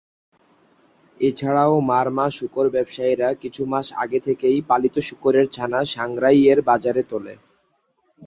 এছাড়াও মারমা শুকর ব্যবসায়ীরা কিছু মাস আগে থেকেই পালিত শুকরের ছানা সাংগ্রাই-এর বাজারে তোলে।